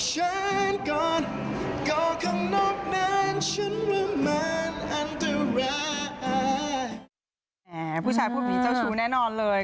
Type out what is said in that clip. ผู้ชายพวกนี้เจ้าชู้แน่นอนเลย